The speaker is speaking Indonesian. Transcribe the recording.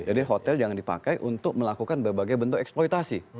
jadi hotel jangan dipakai untuk melakukan berbagai bentuk eksploitasi